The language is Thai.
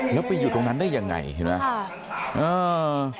แล้วไปอยู่ตรงนั้นได้ยังไงเห็นไหม